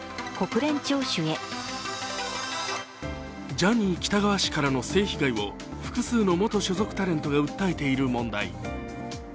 ジャニー喜多川氏からの性被害を複数の元所属タレントが訴えている問題。